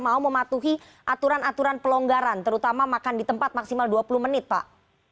mau mematuhi aturan aturan pelonggaran terutama makan di tempat maksimal dua puluh menit pak